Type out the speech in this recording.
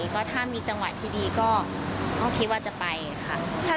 ก็ถ้ามีจังหวะที่ดีก็คิดว่าจะไปค่ะ